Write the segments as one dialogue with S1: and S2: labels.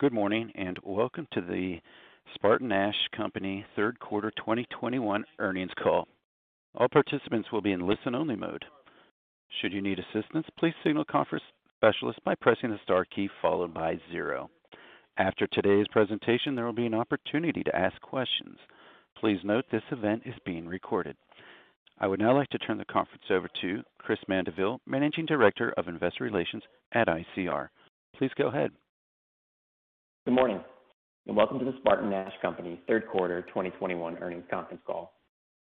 S1: Good morning, and welcome to the SpartanNash Company third quarter 2021 earnings call. All participants will be in listen-only mode. Should you need assistance, please signal conference specialist by pressing the star key followed by zero. After today's presentation, there will be an opportunity to ask questions. Please note this event is being recorded. I would now like to turn the conference over to Chris Mandeville, Managing Director of Investor Relations at ICR. Please go ahead.
S2: Good morning, and welcome to the SpartanNash Company third quarter 2021 earnings conference call.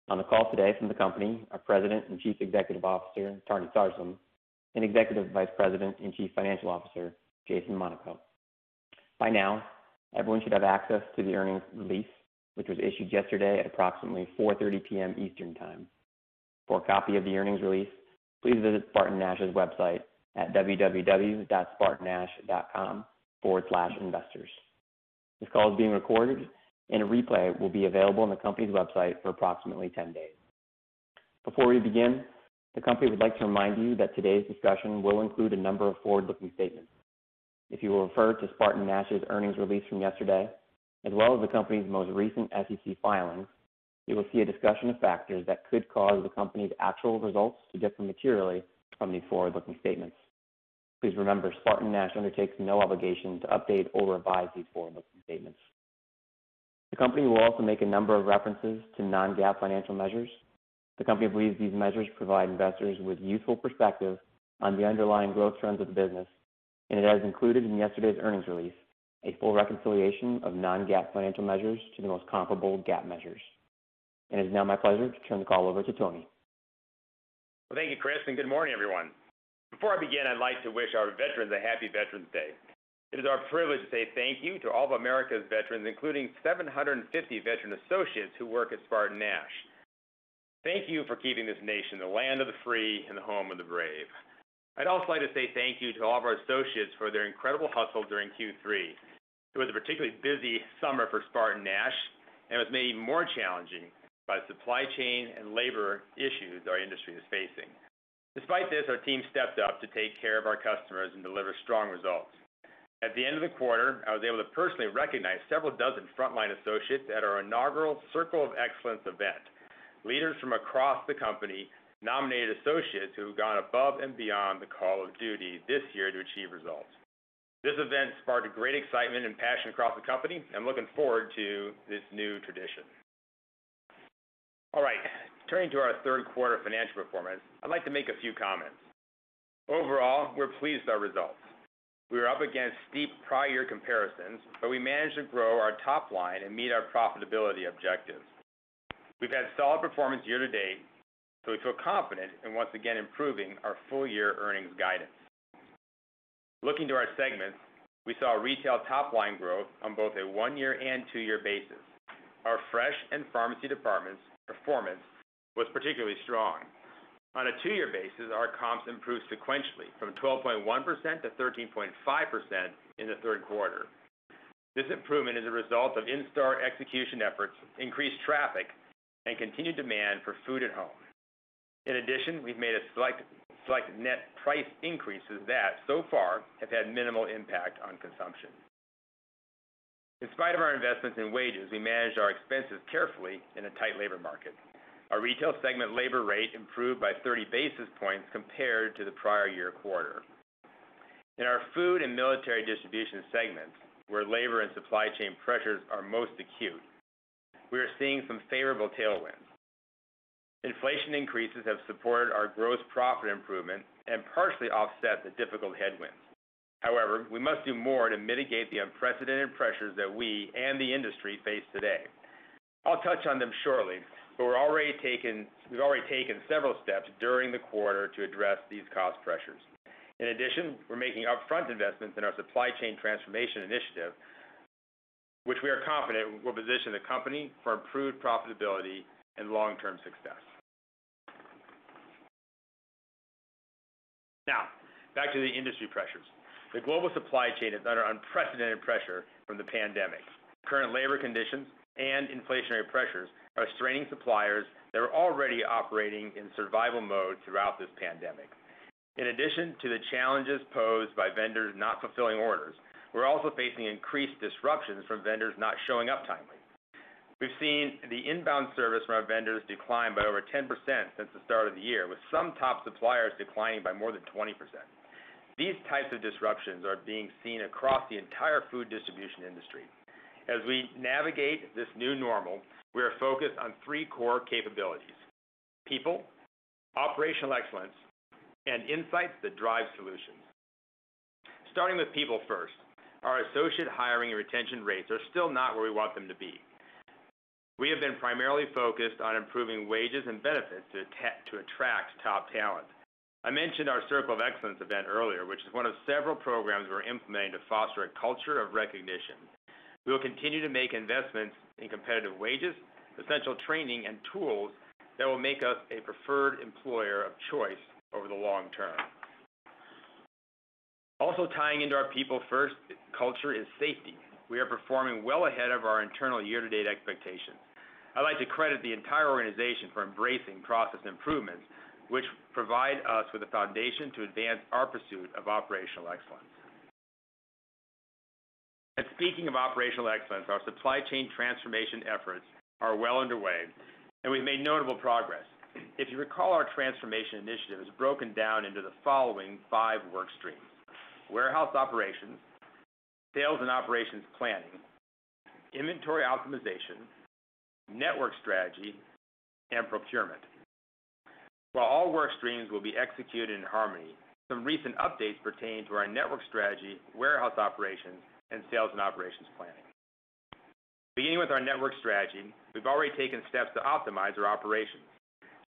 S2: On the call today from the company, our President and Chief Executive Officer, Tony Sarsam, and Executive Vice President and Chief Financial Officer, Jason Monaco. By now, everyone should have access to the earnings release, which was issued yesterday at approximately 4:30 P.M. Eastern Time. For a copy of the earnings release, please visit SpartanNash's website at www.spartannash.com/investors. This call is being recorded, and a replay will be available on the company's website for approximately 10 days. Before we begin, the company would like to remind you that today's discussion will include a number of forward-looking statements. If you will refer to SpartanNash's earnings release from yesterday, as well as the company's most recent SEC filings, you will see a discussion of factors that could cause the company's actual results to differ materially from these forward-looking statements. Please remember, SpartanNash undertakes no obligation to update or revise these forward-looking statements. The company will also make a number of references to non-GAAP financial measures. The company believes these measures provide investors with useful perspective on the underlying growth trends of the business, and it has included in yesterday's earnings release a full reconciliation of non-GAAP financial measures to the most comparable GAAP measures. It is now my pleasure to turn the call over to Tony.
S3: Well, thank you, Chris, and good morning, everyone. Before I begin, I'd like to wish our veterans a happy Veterans Day. It is our privilege to say thank you to all of America's veterans, including 750 veteran associates who work at SpartanNash. Thank you for keeping this nation the land of the free and the home of the brave. I'd also like to say thank you to all of our associates for their incredible hustle during Q3. It was a particularly busy summer for SpartanNash, and it was made even more challenging by supply chain and labor issues our industry is facing. Despite this, our team stepped up to take care of our customers and deliver strong results. At the end of the quarter, I was able to personally recognize several dozen frontline associates at our inaugural Circle of Excellence event. Leaders from across the company nominated associates who have gone above and beyond the call of duty this year to achieve results. This event sparked a great excitement and passion across the company. I'm looking forward to this new tradition. All right, turning to our third quarter financial performance, I'd like to make a few comments. Overall, we're pleased with our results. We were up against steep prior comparisons, but we managed to grow our top line and meet our profitability objectives. We've had solid performance year-to-date, so we feel confident in once again improving our full-year earnings guidance. Looking to our segments, we saw retail top line growth on both a one-year and two-year basis. Our fresh and pharmacy departments' performance was particularly strong. On a two-year basis, our comps improved sequentially from 12.1%-13.5% in the third quarter. This improvement is a result of in-store execution efforts, increased traffic, and continued demand for food at home. In addition, we've made a slight net price increases that so far have had minimal impact on consumption. In spite of our investments in wages, we managed our expenses carefully in a tight labor market. Our retail segment labor rate improved by 30 basis points compared to the prior year quarter. In our food and military distribution segments, where labor and supply chain pressures are most acute, we are seeing some favorable tailwinds. Inflation increases have supported our gross profit improvement and partially offset the difficult headwinds. However, we must do more to mitigate the unprecedented pressures that we and the industry face today. I'll touch on them shortly, but we've already taken several steps during the quarter to address these cost pressures. In addition, we're making upfront investments in our supply chain transformation initiative, which we are confident will position the company for improved profitability and long-term success. Now, back to the industry pressures. The global supply chain is under unprecedented pressure from the pandemic. Current labor conditions and inflationary pressures are straining suppliers that are already operating in survival mode throughout this pandemic. In addition to the challenges posed by vendors not fulfilling orders, we're also facing increased disruptions from vendors not showing up timely. We've seen the inbound service from our vendors decline by over 10% since the start of the year, with some top suppliers declining by more than 20%. These types of disruptions are being seen across the entire food distribution industry. As we navigate this new normal, we are focused on three core capabilities: people, operational excellence, and insights that drive solutions. Starting with people first, our associate hiring and retention rates are still not where we want them to be. We have been primarily focused on improving wages and benefits to attract top talent. I mentioned our Circle of Excellence event earlier, which is one of several programs we're implementing to foster a culture of recognition. We will continue to make investments in competitive wages, essential training, and tools that will make us a preferred employer of choice over the long term. Also tying into our people first culture is safety. We are performing well ahead of our internal year-to-date expectations. I'd like to credit the entire organization for embracing process improvements, which provide us with a foundation to advance our pursuit of operational excellence. Speaking of operational excellence, our supply chain transformation efforts are well underway, and we've made notable progress. If you recall, our transformation initiative is broken down into the following five work streams: warehouse operations, sales and operations planning, inventory optimization, network strategy, and procurement. While all work streams will be executed in harmony, some recent updates pertain to our network strategy, warehouse operations, and sales and operations planning. Beginning with our network strategy, we've already taken steps to optimize our operations.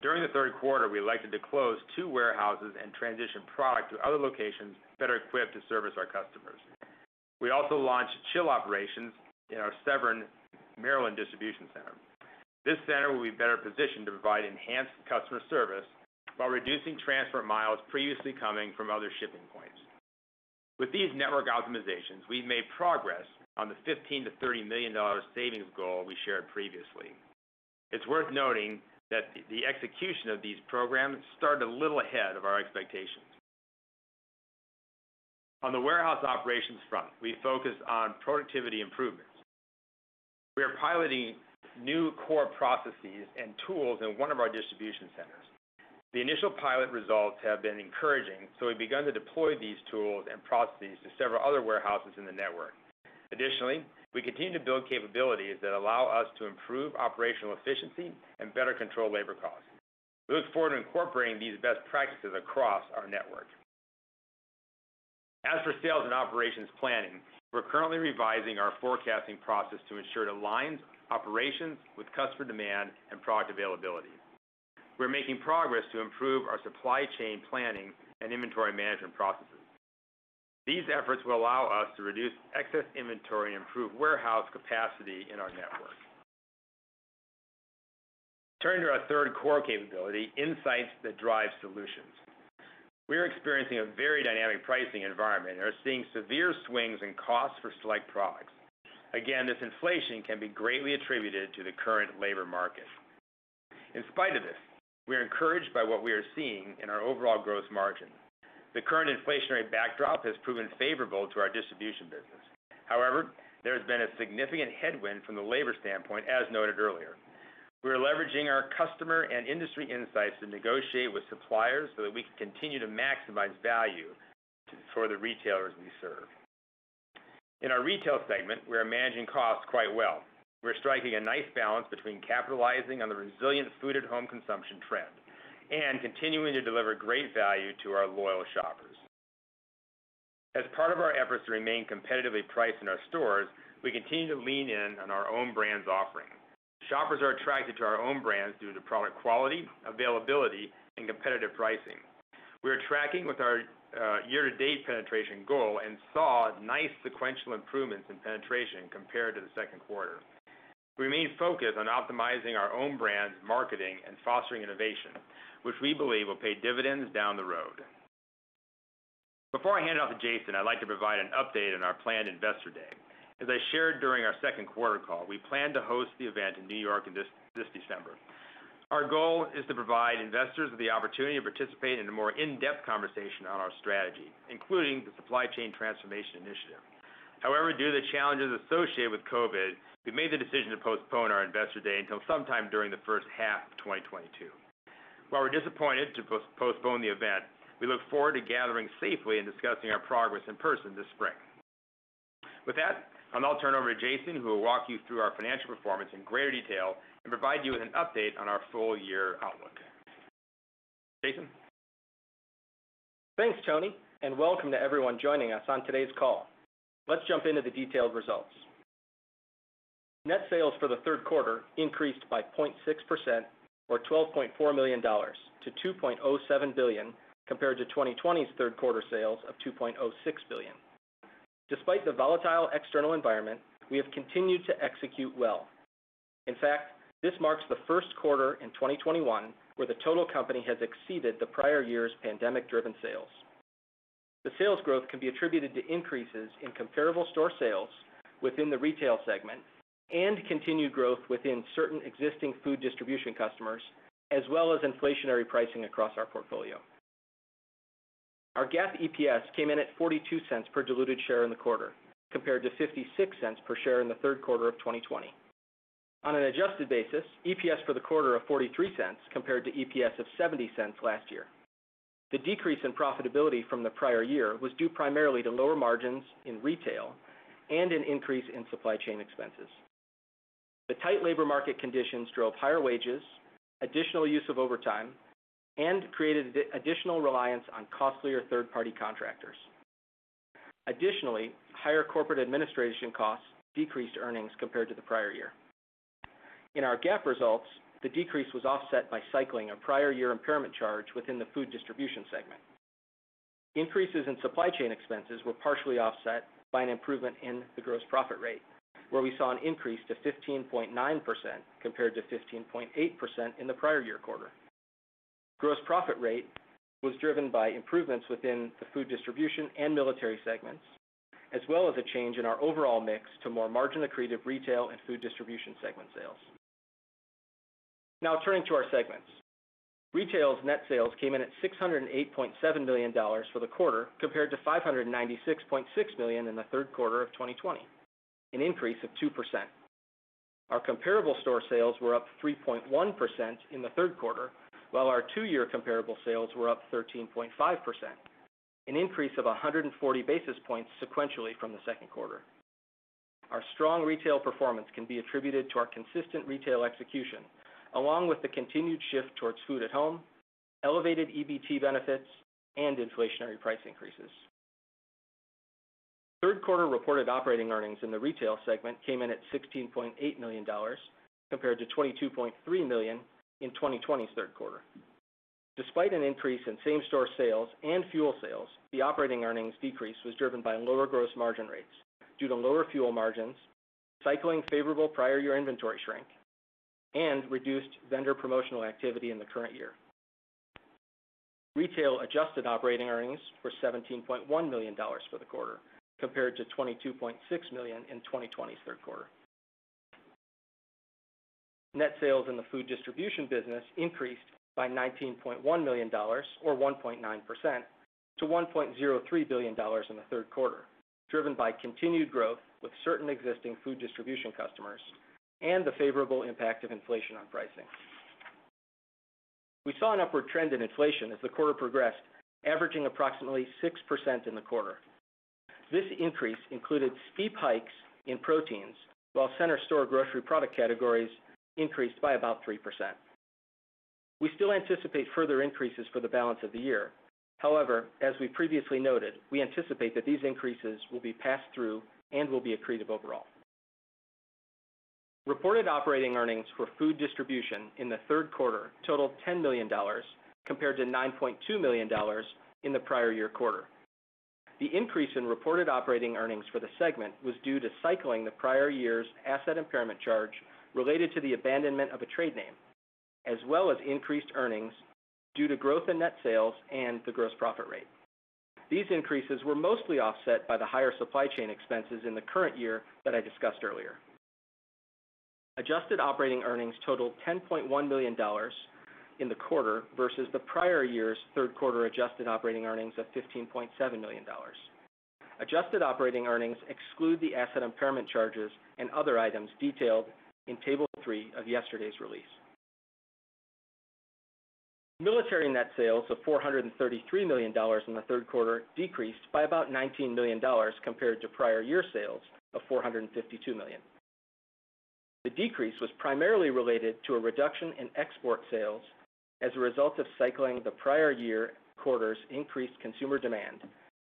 S3: During the third quarter, we elected to close two warehouses and transition product to other locations better equipped to service our customers. We also launched chill operations in our Severn, Maryland distribution center. This center will be better positioned to provide enhanced customer service while reducing transfer miles previously coming from other shipping points. With these network optimizations, we've made progress on the $15 million-$30 million savings goal we shared previously. It's worth noting that the execution of these programs started a little ahead of our expectations. On the warehouse operations front, we focused on productivity improvements. We are piloting new core processes and tools in one of our distribution centers. The initial pilot results have been encouraging, so we've begun to deploy these tools and processes to several other warehouses in the network. Additionally, we continue to build capabilities that allow us to improve operational efficiency and better control labor costs. We look forward to incorporating these best practices across our network. As for sales and operations planning, we're currently revising our forecasting process to ensure it aligns operations with customer demand and product availability. We're making progress to improve our supply chain planning and inventory management processes. These efforts will allow us to reduce excess inventory and improve warehouse capacity in our network. Turning to our third core capability, insights that drive solutions. We're experiencing a very dynamic pricing environment and are seeing severe swings in cost for select products. Again, this inflation can be greatly attributed to the current labor market. In spite of this, we're encouraged by what we are seeing in our overall growth margin. The current inflationary backdrop has proven favorable to our distribution business. However, there has been a significant headwind from the labor standpoint, as noted earlier. We're leveraging our customer and industry insights to negotiate with suppliers so that we can continue to maximize value for the retailers we serve. In our retail segment, we are managing costs quite well. We're striking a nice balance between capitalizing on the resilient food at home consumption trend and continuing to deliver great value to our loyal shoppers. As part of our efforts to remain competitively priced in our stores, we continue to lean in on our own brands offering. Shoppers are attracted to our own brands due to product quality, availability, and competitive pricing. We're tracking with our year-to-date penetration goal and saw nice sequential improvements in penetration compared to the second quarter. We remain focused on optimizing our own brands, marketing, and fostering innovation, which we believe will pay dividends down the road. Before I hand it off to Jason, I'd like to provide an update on our planned Investor Day. As I shared during our second quarter call, we plan to host the event in New York this December. Our goal is to provide investors with the opportunity to participate in a more in-depth conversation on our strategy, including the supply chain transformation initiative. However, due to the challenges associated with COVID, we've made the decision to postpone our Investor Day until sometime during the first half of 2022. While we're disappointed to postpone the event, we look forward to gathering safely and discussing our progress in person this spring. With that, I'll now turn over to Jason, who will walk you through our financial performance in greater detail and provide you with an update on our full year outlook. Jason?
S4: Thanks, Tony, and welcome to everyone joining us on today's call. Let's jump into the detailed results. Net sales for the third quarter increased by 0.6% or $12.4 million to $2.07 billion, compared to 2020's third quarter sales of $2.06 billion. Despite the volatile external environment, we have continued to execute well. In fact, this marks the first quarter in 2021 where the total company has exceeded the prior year's pandemic-driven sales. The sales growth can be attributed to increases in comparable store sales within the retail segment and continued growth within certain existing food distribution customers, as well as inflationary pricing across our portfolio. Our GAAP EPS came in at $0.42 per diluted share in the quarter, compared to $0.56 per share in the third quarter of 2020. On an adjusted basis, EPS for the quarter of $0.43 compared to EPS of $0.70 last year. The decrease in profitability from the prior year was due primarily to lower margins in retail and an increase in supply chain expenses. The tight labor market conditions drove higher wages, additional use of overtime, and created additional reliance on costlier third-party contractors. Additionally, higher corporate administration costs decreased earnings compared to the prior year. In our GAAP results, the decrease was offset by cycling a prior year impairment charge within the food distribution segment. Increases in supply chain expenses were partially offset by an improvement in the gross profit rate, where we saw an increase to 15.9% compared to 15.8% in the prior year quarter. Gross profit rate was driven by improvements within the food distribution and military segments, as well as a change in our overall mix to more margin accretive retail and food distribution segment sales. Now turning to our segments. Retail's net sales came in at $608.7 million for the quarter, compared to $596.6 million in the third quarter of 2020, an increase of 2%. Our comparable store sales were up 3.1% in the third quarter, while our two-year comparable sales were up 13.5%, an increase of 140 basis points sequentially from the second quarter. Our strong retail performance can be attributed to our consistent retail execution, along with the continued shift towards food at home, elevated EBT benefits, and inflationary price increases. Third quarter reported operating earnings in the Retail segment came in at $16.8 million compared to $22.3 million in 2020's third quarter. Despite an increase in same-store sales and fuel sales, the operating earnings decrease was driven by lower gross margin rates due to lower fuel margins, cycling favorable prior year inventory shrink, and reduced vendor promotional activity in the current year. Retail adjusted operating earnings were $17.1 million for the quarter compared to $22.6 million in 2020's third quarter. Net sales in the food distribution business increased by $19.1 million or 1.9% to $1.03 billion in the third quarter, driven by continued growth with certain existing food distribution customers and the favorable impact of inflation on pricing. We saw an upward trend in inflation as the quarter progressed, averaging approximately 6% in the quarter. This increase included steep hikes in proteins, while center store grocery product categories increased by about 3%. We still anticipate further increases for the balance of the year. However, as we previously noted, we anticipate that these increases will be passed through and will be accretive overall. Reported operating earnings for food distribution in the third quarter totaled $10 million compared to $9.2 million in the prior year quarter. The increase in reported operating earnings for the segment was due to cycling the prior year's asset impairment charge related to the abandonment of a trade name, as well as increased earnings due to growth in net sales and the gross profit rate. These increases were mostly offset by the higher supply chain expenses in the current year that I discussed earlier. Adjusted operating earnings totaled $10.1 million in the quarter versus the prior year's third quarter adjusted operating earnings of $15.7 million. Adjusted operating earnings exclude the asset impairment charges and other items detailed in Table three of yesterday's release. Military net sales of $433 million in the third quarter decreased by about $19 million compared to prior year sales of $452 million. The decrease was primarily related to a reduction in export sales as a result of cycling the prior year quarter's increased consumer demand,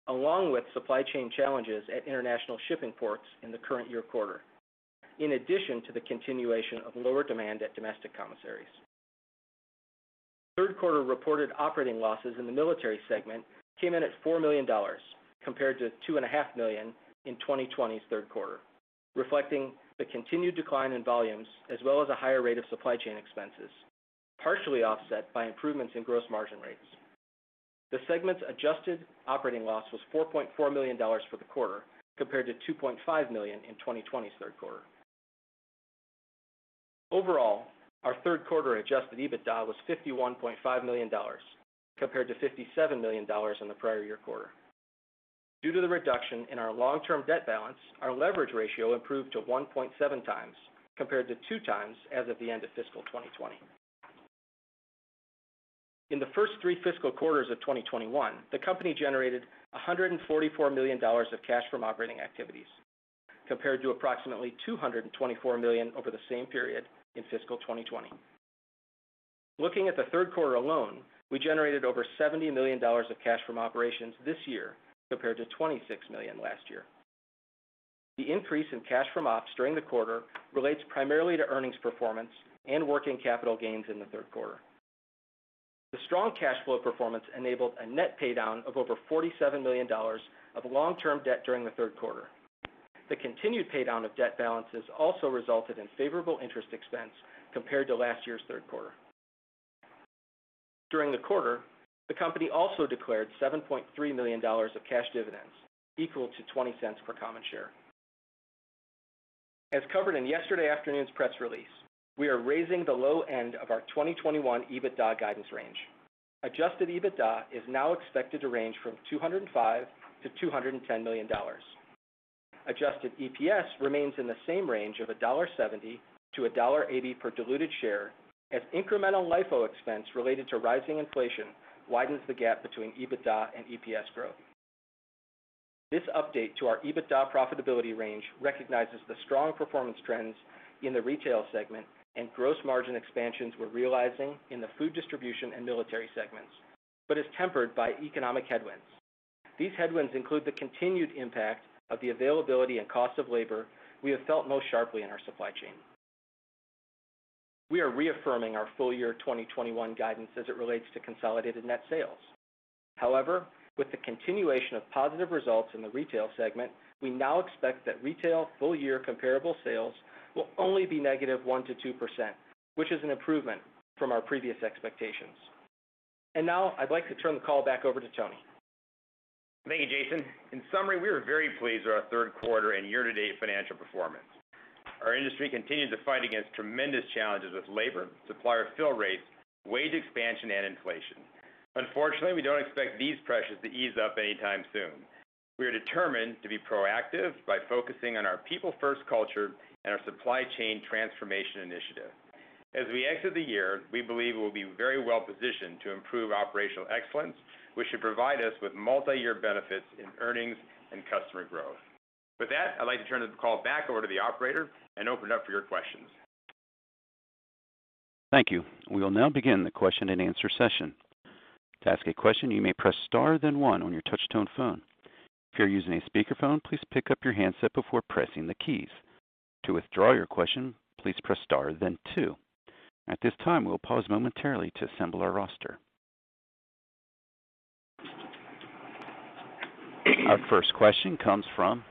S4: along with supply chain challenges at international shipping ports in the current year quarter, in addition to the continuation of lower demand at domestic commissaries. Third quarter reported operating losses in the military segment came in at $4 million compared to $2.5 million in 2020's third quarter, reflecting the continued decline in volumes as well as a higher rate of supply chain expenses, partially offset by improvements in gross margin rates. The segment's adjusted operating loss was $4.4 million for the quarter compared to $2.5 million in 2020's third quarter. Overall, our third quarter adjusted EBITDA was $51.5 million compared to $57 million in the prior year quarter. Due to the reduction in our long-term debt balance, our leverage ratio improved to 1.7 times compared to 2 times as of the end of fiscal 2020. In the first three fiscal quarters of 2021, the company generated $144 million of cash from operating activities compared to approximately $224 million over the same period in fiscal 2020. Looking at the third quarter alone, we generated over $70 million of cash from operations this year compared to $26 million last year. The increase in cash from ops during the quarter relates primarily to earnings performance and working capital gains in the third quarter. The strong cash flow performance enabled a net paydown of over $47 million of long-term debt during the third quarter. The continued paydown of debt balances also resulted in favorable interest expense compared to last year's third quarter. During the quarter, the company also declared $7.3 million of cash dividends, equal to $0.20 per common share. As covered in yesterday afternoon's press release, we are raising the low end of our 2021 EBITDA guidance range. Adjusted EBITDA is now expected to range from $205 million-$210 million. Adjusted EPS remains in the same range of $1.70-$1.80 per diluted share as incremental LIFO expense related to rising inflation widens the gap between EBITDA and EPS growth. This update to our EBITDA profitability range recognizes the strong performance trends in the retail segment and gross margin expansions we're realizing in the food distribution and military segments, but is tempered by economic headwinds. These headwinds include the continued impact of the availability and cost of labor we have felt most sharply in our supply chain. We are reaffirming our full year 2021 guidance as it relates to consolidated net sales. However, with the continuation of positive results in the retail segment, we now expect that retail full year comparable sales will only be negative 1%-2%, which is an improvement from our previous expectations. Now I'd like to turn the call back over to Tony.
S3: Thank you, Jason. In summary, we are very pleased with our third quarter and year-to-date financial performance. Our industry continues to fight against tremendous challenges with labor, supplier fill rates, wage expansion, and inflation. Unfortunately, we don't expect these pressures to ease up anytime soon. We are determined to be proactive by focusing on our people-first culture and our supply chain transformation initiative. As we exit the year, we believe we'll be very well positioned to improve operational excellence, which should provide us with multi-year benefits in earnings and customer growth. With that, I'd like to turn the call back over to the operator and open it up for your questions.
S1: Thank you. We will now begin the question-and-answer session. To ask a question, you may press star then one on your touch-tone phone. If you're using a speakerphone, please pick up your handset before pressing the keys. To withdraw your question, please press star then two. At this time, we'll pause momentarily to assemble our roster. Our first question comes from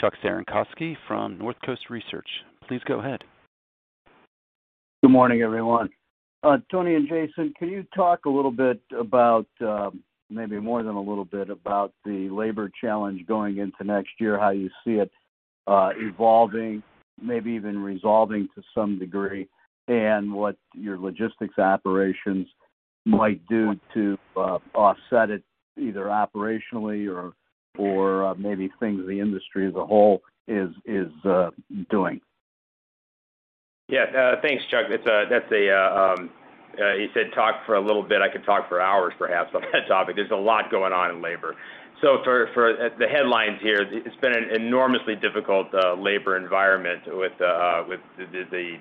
S1: Chuck Cerankosky from Northcoast Research. Please go ahead.
S5: Good morning, everyone. Tony and Jason, can you talk a little bit about, maybe more than a little bit about the labor challenge going into next year, how you see it evolving, maybe even resolving to some degree, and what your logistics operations might do to offset it either operationally or maybe things the industry as a whole is doing?
S3: Yeah. Thanks, Chuck. You said talk for a little bit. I could talk for hours perhaps on that topic. There's a lot going on in labor. For the headlines here, it's been an enormously difficult labor environment with the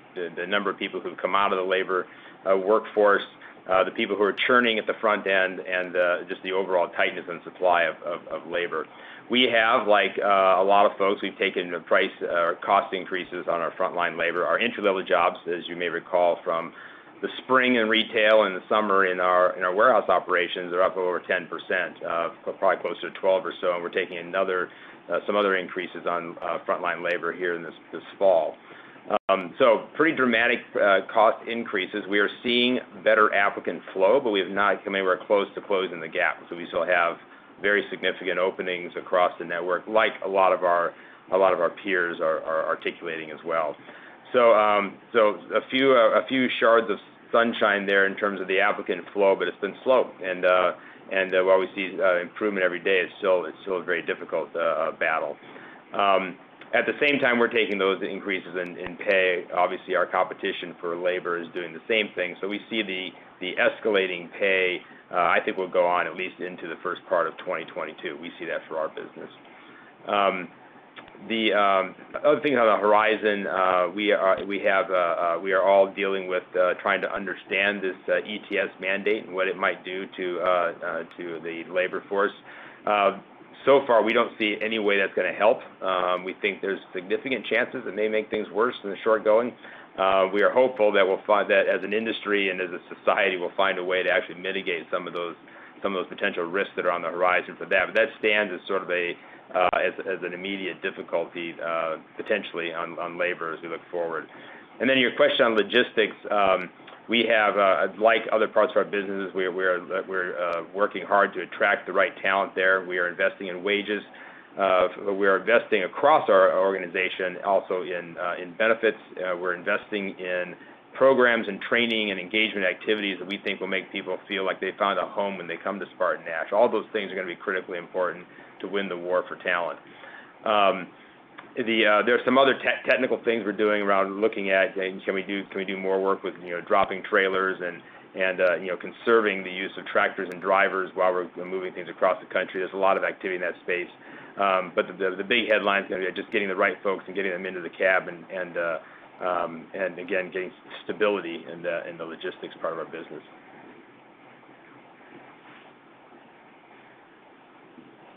S3: number of people who've come out of the labor workforce, the people who are churning at the front end and just the overall tightness and supply of labor. We have like a lot of folks, we've taken price or cost increases on our frontline labor. Our entry-level jobs, as you may recall from the spring in retail and the summer in our warehouse operations are up over 10%, probably closer to 12% or so, and we're taking another some other increases on frontline labor here in this fall. Pretty dramatic cost increases. We are seeing better applicant flow, but we have not come anywhere close to closing the gap. We still have very significant openings across the network like a lot of our peers are articulating as well. A few shards of sunshine there in terms of the applicant flow, but it's been slow and while we see improvement every day, it's still a very difficult battle. At the same time, we're taking those increases in pay. Obviously, our competition for labor is doing the same thing. We see the escalating pay I think will go on at least into the first part of 2022. We see that for our business. The other thing on the horizon, we are all dealing with trying to understand this ETS mandate and what it might do to the labor force. So far, we don't see any way that's gonna help. We think there's significant chances it may make things worse in the short going. We are hopeful that we'll find that as an industry and as a society, we'll find a way to actually mitigate some of those potential risks that are on the horizon for that. That stands as sort of an immediate difficulty, potentially on labor as we look forward. Your question on logistics, we have, like other parts of our businesses, we are working hard to attract the right talent there. We are investing in wages. We are investing across our organization also in benefits. We're investing in programs and training and engagement activities that we think will make people feel like they found a home when they come to SpartanNash. All those things are gonna be critically important to win the war for talent. There are some other technical things we're doing around looking at can we do more work with, you know, dropping trailers and you know, conserving the use of tractors and drivers while we're moving things across the country. There's a lot of activity in that space. The big headlines are gonna be just getting the right folks and getting them into the cab and again, getting stability in the logistics part of our business.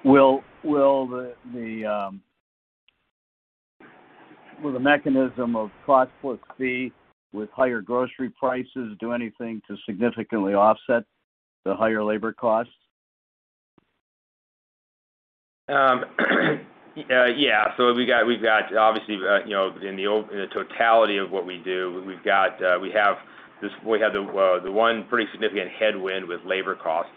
S5: Will the mechanism of cost plus fee with higher grocery prices do anything to significantly offset the higher labor costs?
S3: We've got obviously, you know, in the totality of what we do, we have the one pretty significant headwind with labor costs.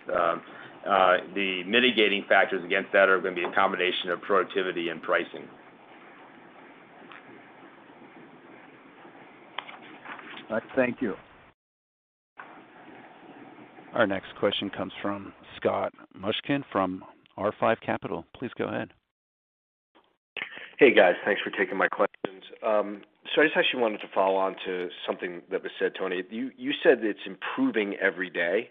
S3: The mitigating factors against that are gonna be a combination of productivity and pricing.
S5: All right. Thank you.
S1: Our next question comes from Scott Mushkin from R5 Capital. Please go ahead.
S6: Hey, guys. Thanks for taking my questions. I just actually wanted to follow on to something that was said, Tony. You said it's improving every day,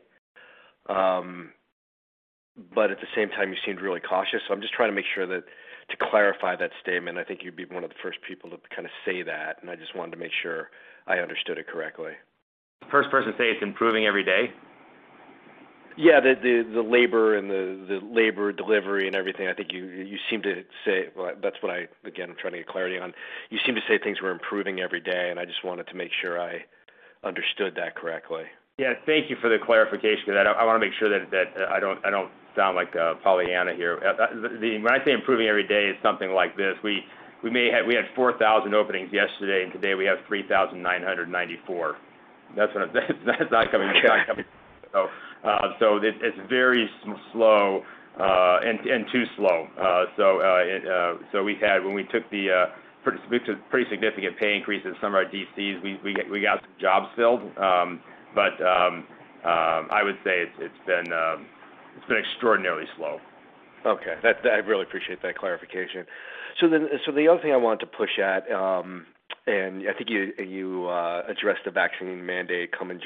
S6: but at the same time, you seemed really cautious. I'm just trying to make sure to clarify that statement. I think you'd be one of the first people to kinda say that, and I just wanted to make sure I understood it correctly.
S3: First person to say it's improving every day?
S6: Yeah. The labor delivery and everything. I think you seem to say things were improving every day. Well, that's what I again am trying to get clarity on. You seem to say things were improving every day, and I just wanted to make sure I understood that correctly.
S3: Yeah, thank you for the clarification. I wanna make sure that I don't sound like a Pollyanna here. When I say improving every day, it's something like this. We had 4,000 openings yesterday, and today we have 3,994. That's not gonna be-
S6: Yeah.
S3: It's very slow and too slow. We had, when we took the pretty significant pay increase at some of our DCs, we got some jobs filled. I would say it's been extraordinarily slow.
S6: Okay. That's I really appreciate that clarification. The other thing I wanted to push at, and I think you addressed the vaccine mandate coming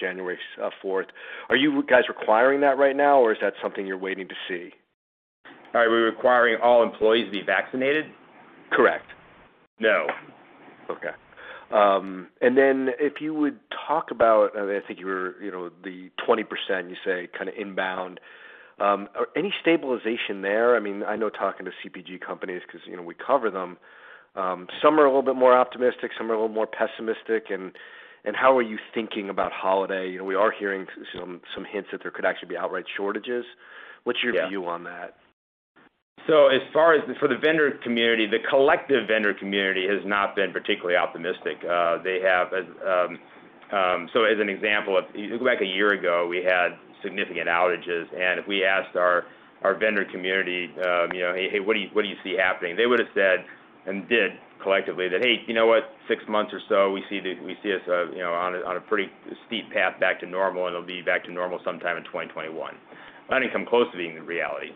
S6: January 4th. Are you guys requiring that right now, or is that something you're waiting to see?
S3: Are we requiring all employees to be vaccinated?
S6: Correct.
S3: No.
S6: Okay. Then if you would talk about, I think you were, you know, the 20% you say kinda inbound. Any stabilization there? I mean, I know talking to CPG companies 'cause, you know, we cover them, some are a little bit more optimistic, some are a little more pessimistic. How are you thinking about holiday? You know, we are hearing some hints that there could actually be outright shortages.
S3: Yeah.
S6: What's your view on that?
S3: As far as for the vendor community, the collective vendor community has not been particularly optimistic. As an example, if you look back a year ago, we had significant outages. If we asked our vendor community, you know, "Hey, what do you see happening?" They would've said, and did collectively, that, "Hey, you know what? Six months or so, we see us, you know, on a pretty steep path back to normal, and it'll be back to normal sometime in 2021." That didn't come close to being the reality.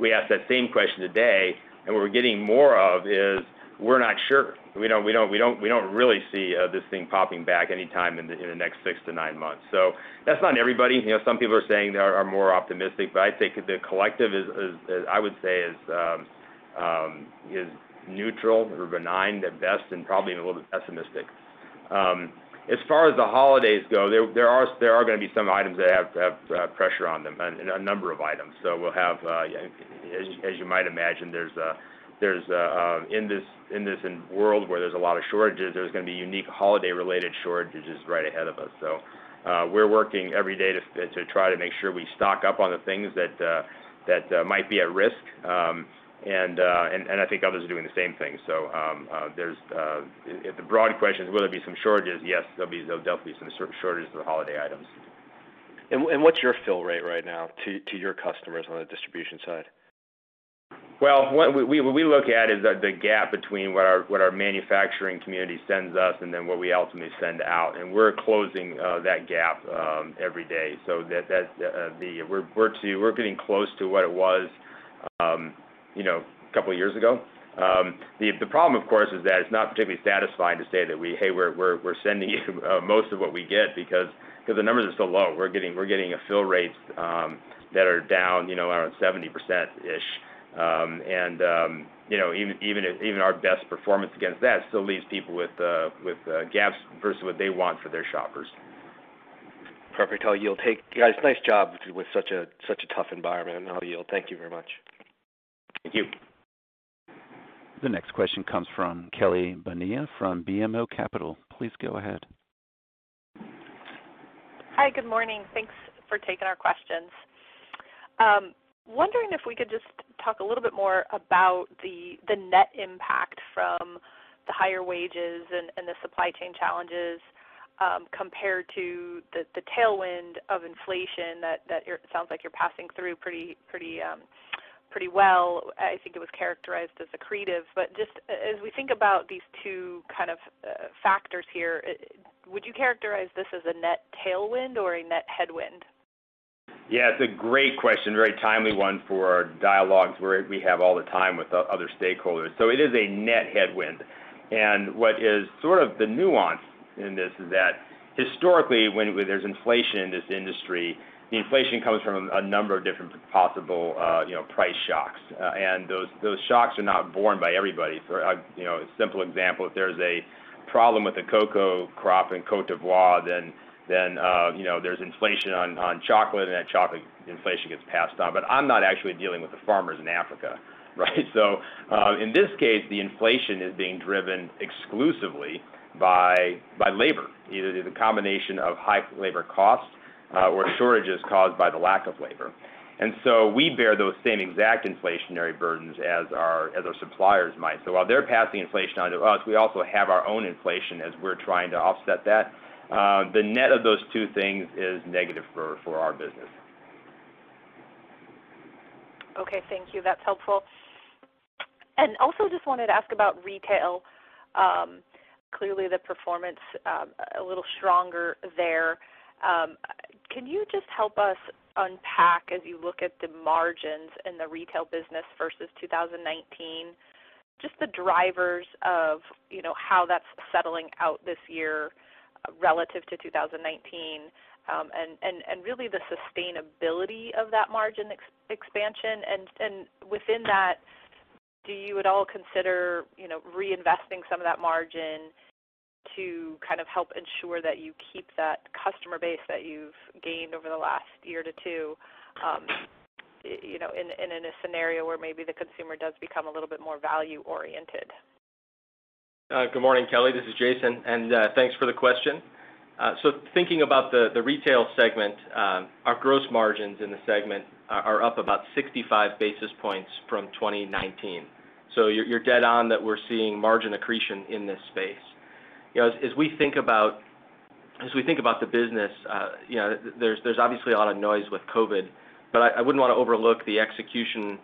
S3: We ask that same question today, and what we're getting more of is, "We're not sure. We don't really see this thing popping back anytime in the six months-nine months." That's not everybody. You know, some people are saying they are more optimistic, but I think the collective is I would say neutral or benign at best and probably even a little bit pessimistic. As far as the holidays go, there are gonna be some items that have pressure on them and a number of items. We'll have, as you might imagine, in this world where there's a lot of shortages, there's gonna be unique holiday-related shortages right ahead of us. We're working every day to try to make sure we stock up on the things that might be at risk. I think others are doing the same thing. If the broad question is, will there be some shortages? Yes, there'll definitely be some shortages of the holiday items.
S6: What's your fill rate right now to your customers on the distribution side?
S3: Well, what we look at is the gap between what our manufacturing community sends us and then what we ultimately send out, and we're closing that gap every day. We're getting close to what it was, you know, a couple of years ago. The problem, of course, is that it's not particularly satisfying to say that we "Hey, we're sending most of what we get," because the numbers are so low. We're getting fill rates that are down, you know, around 70%-ish. And you know, even if our best performance against that still leaves people with gaps versus what they want for their shoppers.
S6: Perfect. I'll yield. Guys, nice job with such a tough environment. I'll yield. Thank you very much.
S3: Thank you.
S1: The next question comes from Kelly Bania from BMO Capital Markets. Please go ahead.
S7: Hi. Good morning. Thanks for taking our questions. Wondering if we could just talk a little bit more about the net impact from the higher wages and the supply chain challenges, compared to the tailwind of inflation that it sounds like you're passing through pretty well. I think it was characterized as accretive. Just as we think about these two kind of factors here, would you characterize this as a net tailwind or a net headwind?
S3: Yeah, it's a great question, very timely one for our dialogues we have all the time with other stakeholders. It is a net headwind. What is sort of the nuance in this is that historically, when there's inflation in this industry, the inflation comes from a number of different possible, you know, price shocks. Those shocks are not borne by everybody. For, you know, a simple example, if there's a problem with the cocoa crop in Côte d'Ivoire, then, you know, there's inflation on chocolate, and that chocolate inflation gets passed on. I'm not actually dealing with the farmers in Africa, right? In this case, the inflation is being driven exclusively by labor, either the combination of high labor costs, or shortages caused by the lack of labor. We bear those same exact inflationary burdens as our suppliers might. While they're passing inflation onto us, we also have our own inflation as we're trying to offset that. The net of those two things is negative for our business.
S7: Okay, thank you. That's helpful. Also just wanted to ask about retail. Clearly the performance a little stronger there. Can you just help us unpack as you look at the margins in the retail business versus 2019, just the drivers of, you know, how that's settling out this year relative to 2019, and really the sustainability of that margin expansion. Within that, do you at all consider, you know, reinvesting some of that margin to kind of help ensure that you keep that customer base that you've gained over the last year to two, you know, in a scenario where maybe the consumer does become a little bit more value-oriented.
S4: Good morning, Kelly. This is Jason, and thanks for the question. Thinking about the retail segment, our gross margins in the segment are up about 65 basis points from 2019. You're dead on that we're seeing margin accretion in this space. You know, as we think about the business, you know, there's obviously a lot of noise with COVID. I wouldn't want to overlook the execution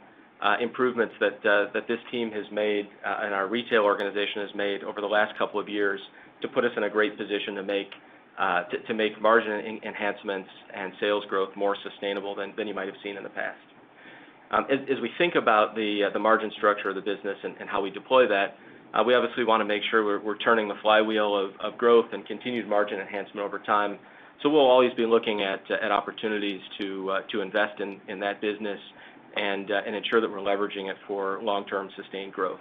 S4: improvements that this team has made, and our retail organization has made over the last couple of years to put us in a great position to make margin enhancements and sales growth more sustainable than you might have seen in the past. As we think about the margin structure of the business and how we deploy that, we obviously wanna make sure we're turning the flywheel of growth and continued margin enhancement over time. We'll always be looking at opportunities to invest in that business and ensure that we're leveraging it for long-term sustained growth.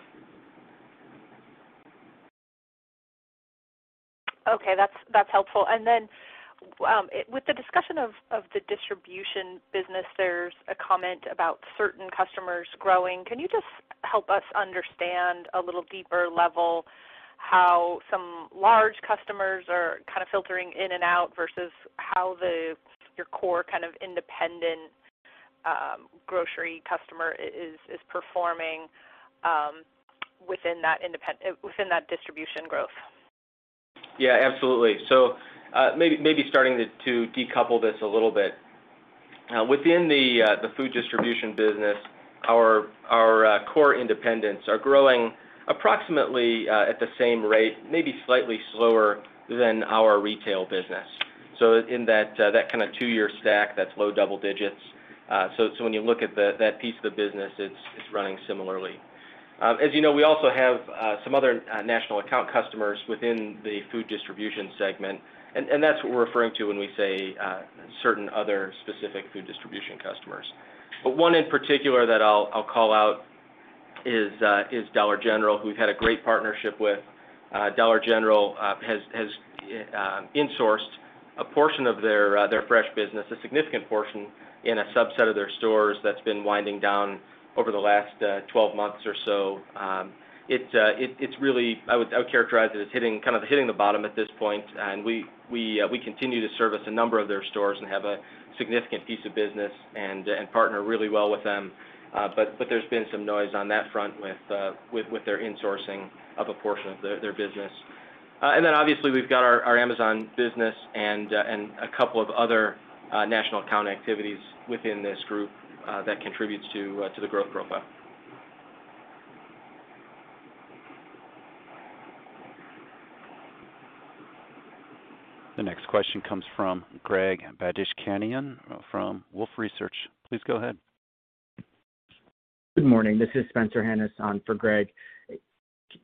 S7: Okay. That's helpful. With the discussion of the distribution business, there's a comment about certain customers growing. Can you just help us understand a little deeper level how some large customers are kind of filtering in and out versus how your core kind of independent grocery customer is performing within that distribution growth?
S3: Yeah, absolutely. Maybe starting to decouple this a little bit. Within the food distribution business, our core independents are growing approximately at the same rate, maybe slightly slower than our retail business. In that kind of two-year stack, that's low double digits. When you look at that piece of the business, it's running similarly. As you know, we also have some other national account customers within the food distribution segment, and that's what we're referring to when we say certain other specific food distribution customers. One in particular that I'll call out is Dollar General, who we've had a great partnership with. Dollar General has insourced a portion of their fresh business, a significant portion in a subset of their stores that's been winding down over the last 12 months or so. I would characterize it as kind of hitting the bottom at this point. We continue to service a number of their stores and have a significant piece of business and partner really well with them. But there's been some noise on that front with their insourcing of a portion of their business. Then obviously, we've got our Amazon business and a couple of other national account activities within this group that contributes to the growth profile.
S1: The next question comes from Greg Badishkanian from Wolfe Research. Please go ahead.
S8: Good morning. This is Spencer Hanus on for Greg.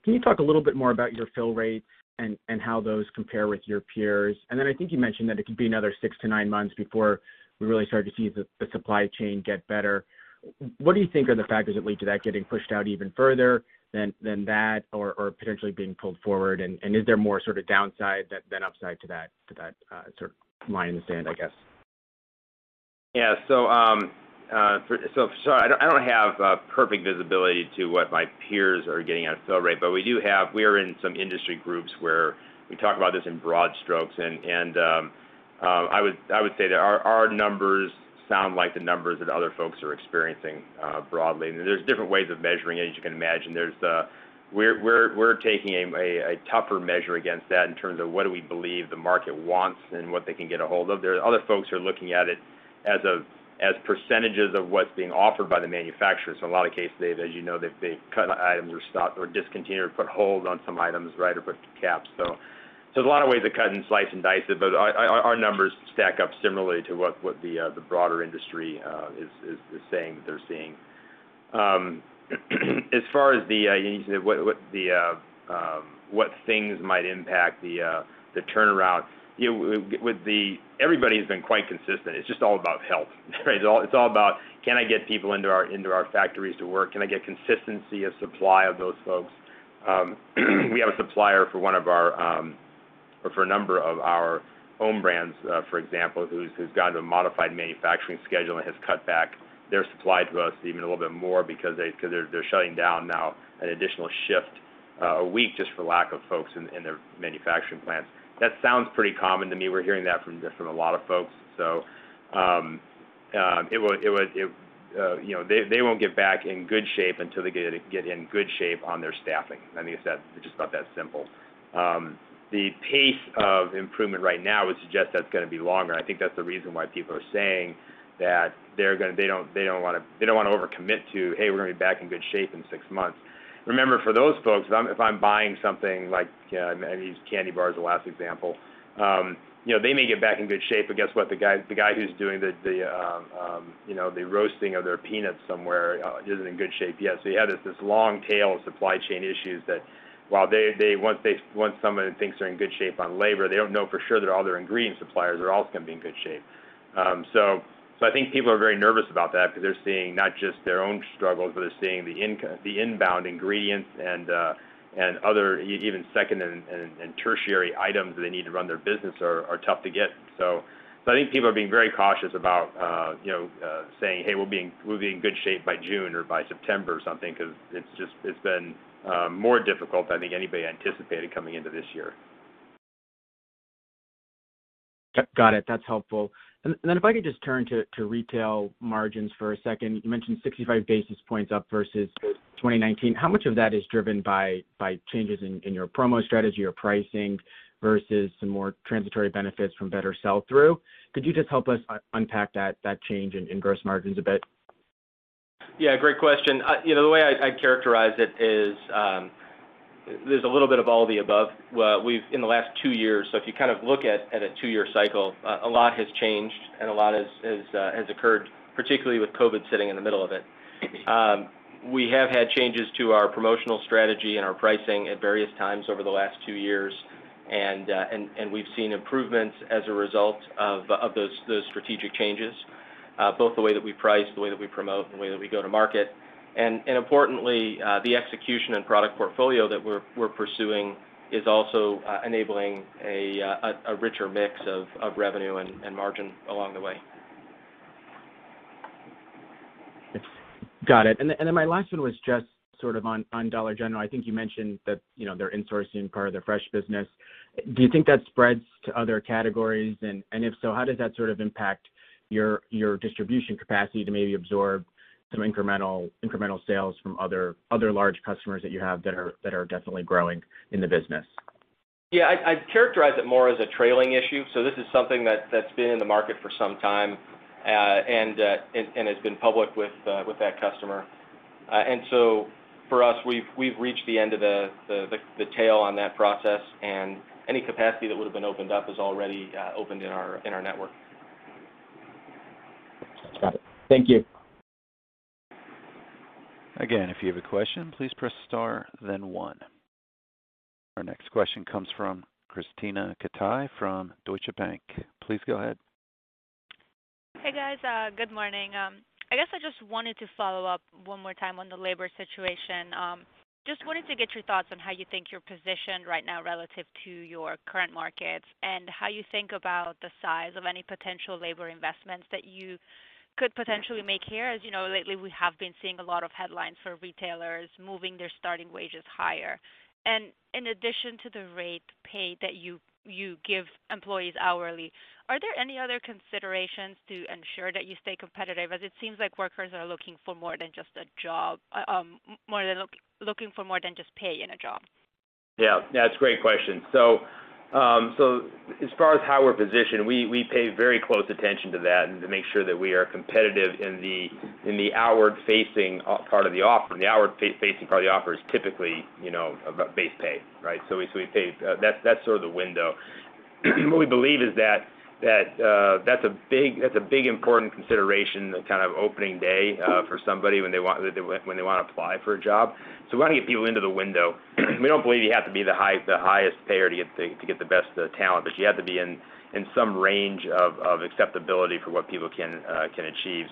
S8: Can you talk a little bit more about your fill rates and how those compare with your peers? Then I think you mentioned that it could be another six months-nine months before we really start to see the supply chain get better. What do you think are the factors that lead to that getting pushed out even further than that or potentially being pulled forward? Is there more sort of downside than upside to that sort of line in the sand, I guess?
S3: Yeah. I don't have perfect visibility to what my peers are getting at fill rate. We are in some industry groups where we talk about this in broad strokes and I would say that our numbers sound like the numbers that other folks are experiencing broadly. There's different ways of measuring it, as you can imagine. We're taking a tougher measure against that in terms of what we believe the market wants and what they can get a hold of. There are other folks who are looking at it as percentages of what's being offered by the manufacturer. A lot of cases, they, as you know, they've cut items or stopped or discontinued or put holds on some items, right, or put caps. There's a lot of ways to cut and slice and dice it, but our numbers stack up similarly to what the broader industry is saying that they're seeing. As far as you know, what things might impact the turnaround, you know. Everybody has been quite consistent. It's just all about health, right? It's all about, can I get people into our factories to work? Can I get consistency of supply of those folks? We have a supplier for one of our, or for a number of our own brands, for example, who's gotten a modified manufacturing schedule and has cut back their supply to us even a little bit more because they're shutting down now an additional shift a week just for lack of folks in their manufacturing plants. That sounds pretty common to me. We're hearing that from a lot of folks. You know, they won't get back in good shape until they get in good shape on their staffing. I think it's that, just about that simple. The pace of improvement right now would suggest that's gonna be longer, and I think that's the reason why people are saying that they don't wanna overcommit to, "Hey, we're gonna be back in good shape in six months." Remember, for those folks, if I'm buying something like, I used candy bars the last example, you know, they may get back in good shape, but guess what? The guy who's doing the roasting of their peanuts somewhere isn't in good shape yet. So you have this long tail of supply chain issues that while they once someone thinks they're in good shape on labor, they don't know for sure that all their ingredient suppliers are also gonna be in good shape. I think people are very nervous about that because they're seeing not just their own struggles, but they're seeing the inbound ingredients and other even second and tertiary items that they need to run their business are tough to get. I think people are being very cautious about you know saying, "Hey, we'll be in good shape by June or by September," or something, 'cause it's just been more difficult than I think anybody anticipated coming into this year.
S8: Got it. That's helpful. Then if I could just turn to retail margins for a second. You mentioned 65 basis points up versus 2019. How much of that is driven by changes in your promo strategy or pricing versus some more transitory benefits from better sell-through? Could you just help us unpack that change in gross margins a bit?
S3: Yeah, great question. You know, the way I characterize it is, there's a little bit of all of the above. Well, in the last two years, so if you kind of look at a two-year cycle, a lot has changed and a lot has occurred, particularly with COVID sitting in the middle of it. We have had changes to our promotional strategy and our pricing at various times over the last two years. We've seen improvements as a result of those strategic changes, both the way that we price, the way that we promote, and the way that we go to market. Importantly, the execution and product portfolio that we're pursuing is also enabling a richer mix of revenue and margin along the way.
S8: Got it. My last one was just sort of on Dollar General. I think you mentioned that, you know, they're insourcing part of their fresh business. Do you think that spreads to other categories? If so, how does that sort of impact your distribution capacity to maybe absorb some incremental sales from other large customers that you have that are definitely growing in the business?
S3: Yeah. I'd characterize it more as a trailing issue. This is something that's been in the market for some time, and has been public with that customer. For us, we've reached the end of the tail on that process, and any capacity that would've been opened up is already opened in our network.
S8: Got it. Thank you.
S1: Again, if you have a question, please press star then one. Our next question comes from Krisztina Katai from Deutsche Bank. Please go ahead.
S9: Hey, guys. Good morning. I guess I just wanted to follow up one more time on the labor situation. Just wanted to get your thoughts on how you think you're positioned right now relative to your current markets and how you think about the size of any potential labor investments that you could potentially make here. As you know, lately we have been seeing a lot of headlines for retailers moving their starting wages higher. In addition to the rate pay that you give employees hourly, are there any other considerations to ensure that you stay competitive, as it seems like workers are looking for more than just a job, more than just pay in a job?
S3: Yeah. That's a great question. As far as how we're positioned, we pay very close attention to that and to make sure that we are competitive in the outward-facing part of the offer. The outward-facing part of the offer is typically, you know, about base pay, right? That's sort of the window. What we believe is that that's a big important consideration, the kind of opening day for somebody when they want to apply for a job. We want to get people into the window. We don't believe you have to be the highest payer to get the best talent, but you have to be in some range of acceptability for what people can achieve.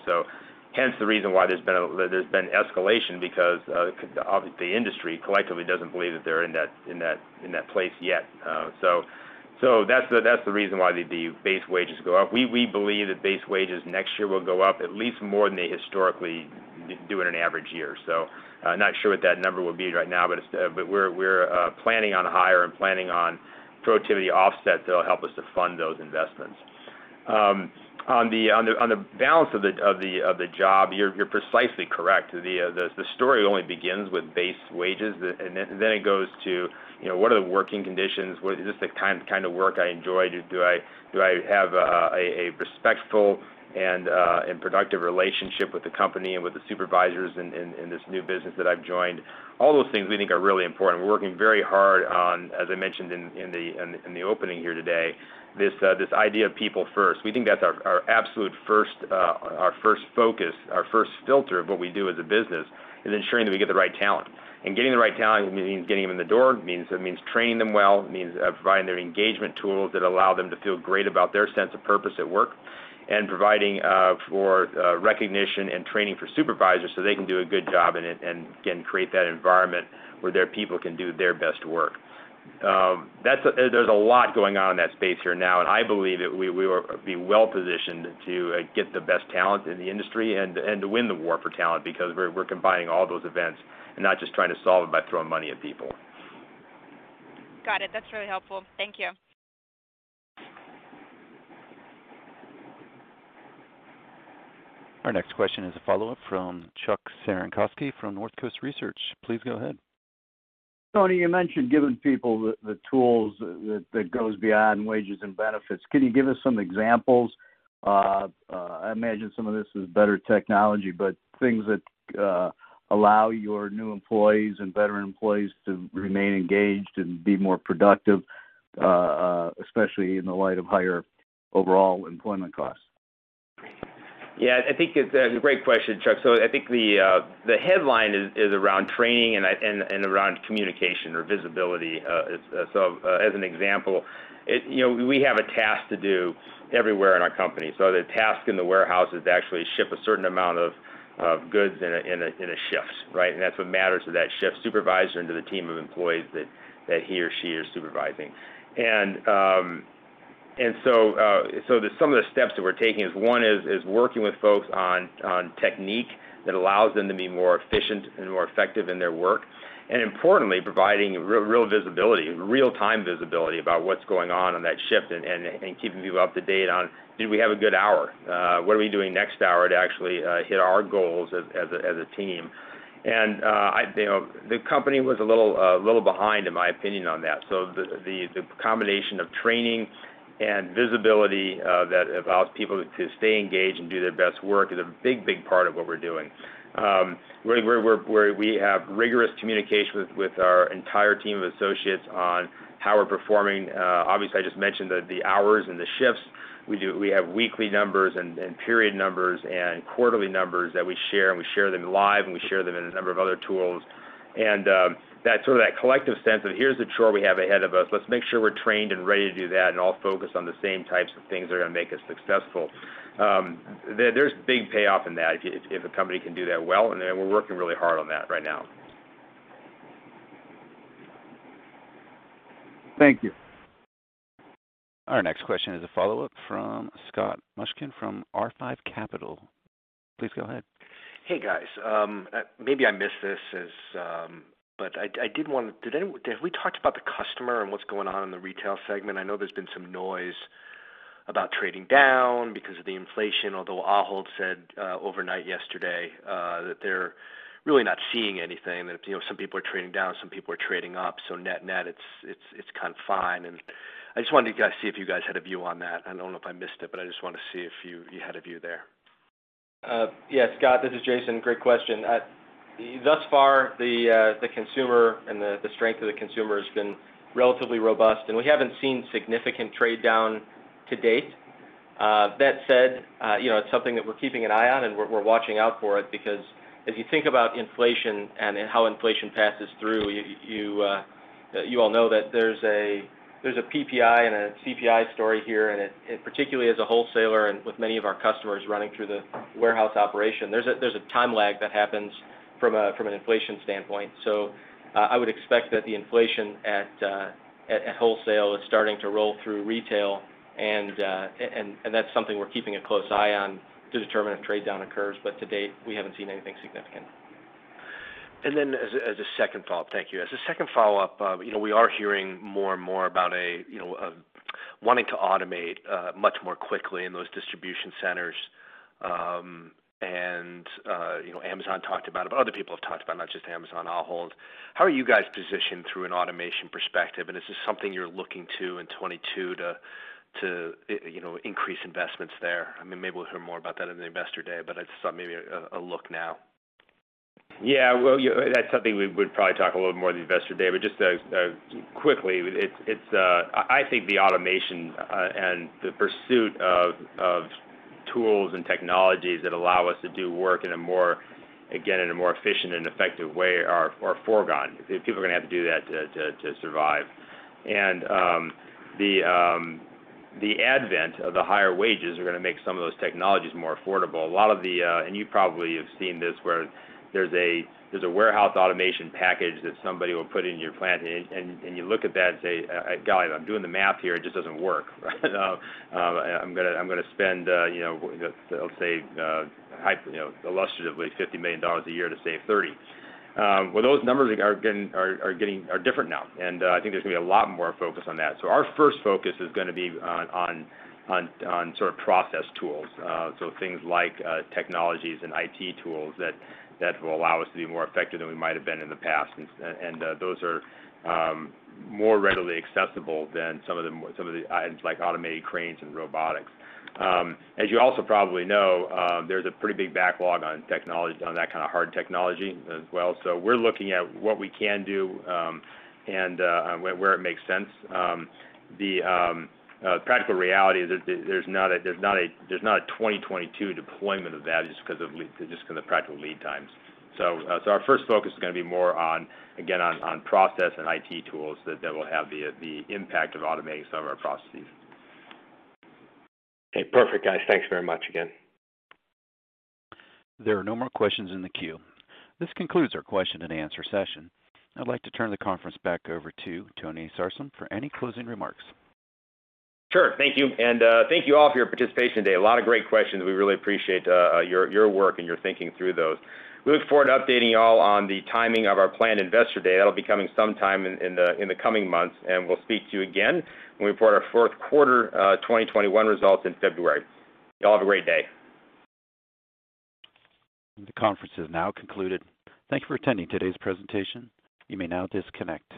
S3: Hence, the reason why there's been escalation because the industry collectively doesn't believe that they're in that place yet. That's the reason why the base wages go up. We believe that base wages next year will go up at least more than they historically do in an average year. Not sure what that number will be right now, but we're planning on higher and planning on productivity offsets that'll help us to fund those investments. On the balance of the job, you're precisely correct. The story only begins with base wages, and then it goes to, you know, what are the working conditions? Is this the kind of work I enjoy? Do I have a respectful and productive relationship with the company and with the supervisors in this new business that I've joined? All those things we think are really important. We're working very hard on, as I mentioned in the opening here today, this idea of people first. We think that's our absolute first, our first focus, our first filter of what we do as a business, is ensuring that we get the right talent. Getting the right talent means getting them in the door. It means training them well. It means providing them engagement tools that allow them to feel great about their sense of purpose at work and providing for recognition and training for supervisors so they can do a good job and again create that environment where their people can do their best work. There's a lot going on in that space here now, and I believe that we will be well-positioned to get the best talent in the industry and to win the war for talent because we're combining all those events and not just trying to solve it by throwing money at people.
S9: Got it. That's really helpful. Thank you.
S1: Our next question is a follow-up from Chuck Cerankosky from Northcoast Research. Please go ahead.
S5: Tony, you mentioned giving people the tools that goes beyond wages and benefits. Can you give us some examples? I imagine some of this is better technology, but things that allow your new employees and veteran employees to remain engaged and be more productive, especially in the light of higher overall employment costs.
S3: Yeah. I think it's a great question, Chuck. I think the headline is around training and around communication or visibility. As an example, you know, we have a task to do everywhere in our company. The task in the warehouse is to actually ship a certain amount of goods in a shift, right? That's what matters to that shift supervisor and to the team of employees that he or she is supervising. Some of the steps that we're taking is one, working with folks on technique that allows them to be more efficient and more effective in their work. Importantly, providing real-time visibility about what's going on on that shift and keeping people up to date on did we have a good hour? What are we doing next hour to actually hit our goals as a team? You know, the company was a little behind, in my opinion, on that. The combination of training and visibility that allows people to stay engaged and do their best work is a big part of what we're doing. We have rigorous communication with our entire team of associates on how we're performing. Obviously, I just mentioned the hours and the shifts. We have weekly numbers and period numbers and quarterly numbers that we share, and we share them live, and we share them in a number of other tools. That sort of collective sense of here's the core we have ahead of us, let's make sure we're trained and ready to do that and all focused on the same types of things that are gonna make us successful. There's big payoff in that if a company can do that well, and we're working really hard on that right now.
S5: Thank you.
S1: Our next question is a follow-up from Scott Mushkin from R5 Capital. Please go ahead.
S6: Hey, guys. Maybe I missed this. Have we talked about the customer and what's going on in the retail segment? I know there's been some noise about trading down because of the inflation, although Ahold said overnight yesterday that they're really not seeing anything, that you know some people are trading down, some people are trading up. So net-net, it's kind of fine. I just wanted to see if you guys had a view on that. I don't know if I missed it, but I just wanna see if you had a view there.
S4: Yeah, Scott, this is Jason. Great question. Thus far, the consumer and the strength of the consumer has been relatively robust, and we haven't seen significant trade down to date. That said, you know, it's something that we're keeping an eye on, and we're watching out for it because if you think about inflation and how inflation passes through, you all know that there's a PPI and a CPI story here, and particularly as a wholesaler and with many of our customers running through the warehouse operation, there's a time lag that happens from an inflation standpoint. I would expect that the inflation at wholesale is starting to roll through retail and that's something we're keeping a close eye on to determine if trade down occurs. To date, we haven't seen anything significant.
S6: As a second follow-up, you know, we are hearing more and more about wanting to automate much more quickly in those distribution centers. You know, Amazon talked about it, but other people have talked about it, not just Amazon, Ahold. How are you guys positioned through an automation perspective? Is this something you're looking to in 2022 to increase investments there? I mean, maybe we'll hear more about that in the Investor Day, but I just thought maybe a look now.
S3: Yeah. Well, that's something we would probably talk a little more at the Investor Day. But just quickly, it's I think the automation and the pursuit of tools and technologies that allow us to do work in a more, again, in a more efficient and effective way are foregone. People are gonna have to do that to survive. The advent of the higher wages are gonna make some of those technologies more affordable. A lot of the and you probably have seen this where there's a warehouse automation package that somebody will put in your plant, and you look at that and say, "Guys, I'm doing the math here. It just doesn't work. I'm gonna spend, you know, let's say, high, you know, illustratively $50 million a year to save $30 million. Well, those numbers are getting different now, and I think there's gonna be a lot more focus on that. Our first focus is gonna be on sort of process tools, so things like, technologies and IT tools that will allow us to be more effective than we might have been in the past. Those are more readily accessible than some of the items like automated cranes and robotics. As you also probably know, there's a pretty big backlog on technologies, on that kind of hard technology as well. We're looking at what we can do, and where it makes sense. The practical reality is that there's not a 2022 deployment of that just 'cause of practical lead times. Our first focus is gonna be more on again on process and IT tools that will have the impact of automating some of our processes.
S6: Okay. Perfect, guys. Thanks very much again.
S1: There are no more questions in the queue. This concludes our question and answer session. I'd like to turn the conference back over to Tony Sarsam for any closing remarks.
S3: Sure. Thank you. Thank you all for your participation today. A lot of great questions. We really appreciate your work and your thinking through those. We look forward to updating you all on the timing of our planned Investor Day. That'll be coming sometime in the coming months, and we'll speak to you again when we report our fourth quarter 2021 results in February. Y'all have a great day.
S1: The conference has now concluded. Thank you for attending today's presentation. You may now disconnect.